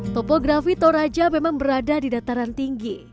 topografi toraja memang berada di dataran tinggi